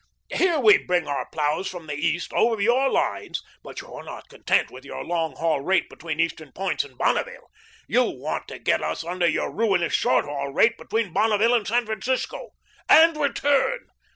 Here we bring our ploughs from the East over your lines, but you're not content with your long haul rate between Eastern points and Bonneville. You want to get us under your ruinous short haul rate between Bonneville and San Francisco, AND RETURN.